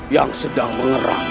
yang sedang mengerang